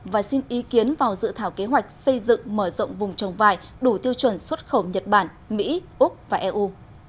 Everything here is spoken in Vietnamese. và xin ý kiến vào dự thảo kế hoạch xây dựng mở rộng vùng trồng vải đủ tiêu chuẩn xuất khẩu nhật bản mỹ úc và eu